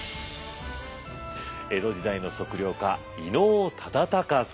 江戸時代の測量家伊能忠敬さん。